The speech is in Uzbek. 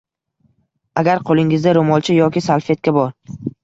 Agar qo‘lingizda ro‘molcha yoki salfetka bor.